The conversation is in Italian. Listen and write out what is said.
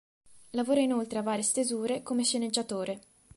Lavora inoltre a varie stesure come sceneggiatore.